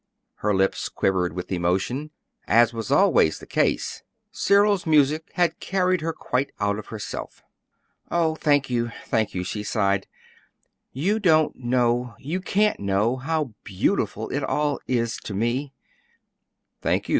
Her lips quivered with emotion. As was always the case, Cyril's music had carried her quite out of herself. "Oh, thank you, thank you," she sighed. "You don't know you can't know how beautiful it all is to me!" "Thank you.